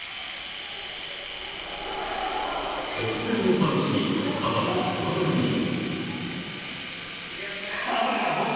［突然のパンチにカバも戸惑い気味］